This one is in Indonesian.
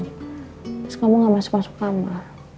terus kamu gak masuk masuk kamar